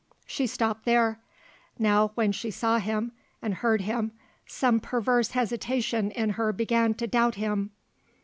She stopped there. Now, when she saw him, and heard him, some perverse hesitation in her began to doubt him.